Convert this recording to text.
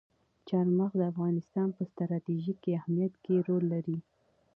چار مغز د افغانستان په ستراتیژیک اهمیت کې رول لري.